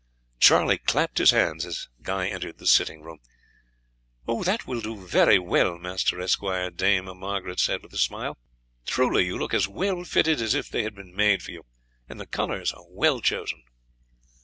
Charlie clapped his hands as he entered the sitting room. "That will do very well, Master Esquire," Dame Margaret said with a smile; "truly you look as well fitted as if they had been made for you, and the colours are well chosen."